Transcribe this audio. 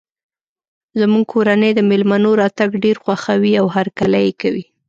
زموږ کورنۍ د مېلمنو راتګ ډیر خوښوي او هرکلی یی کوي